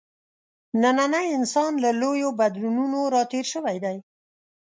نننی انسان له لویو بدلونونو راتېر شوی دی.